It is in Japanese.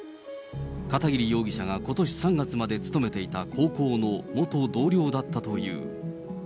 片桐容疑者がことし３月まで勤めていた高校の元同僚だったという。